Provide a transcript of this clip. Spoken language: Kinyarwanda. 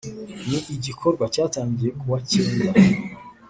Ni igikorwa cyatangiye ku wa cyenda